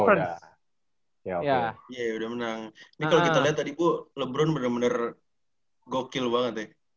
ini kalau kita lihat tadi bu lebron benar benar gokil banget ya